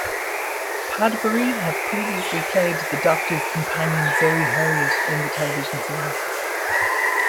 Padbury had previously played the Doctor's companion Zoe Herriot in the television series.